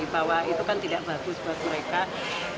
bahwa itu kan tidak bagus buat mereka